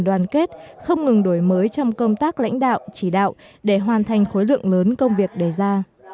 đoàn kết không ngừng đổi mới trong công tác lãnh đạo chỉ đạo để hoàn thành khối lượng lớn công việc đề ra